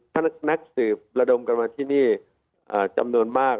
ถ้านักสืบระดมกันมาที่นี่จำนวนมาก